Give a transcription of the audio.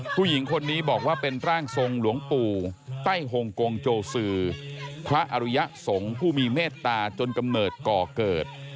ผู้หญิงคนนี้บอกว่าเป็นร่างทรงหลวงปู่ไต้หงกงโจซือพระอริยสงฆ์ผู้มีเมตตาจนกำเนิดก่อเกิด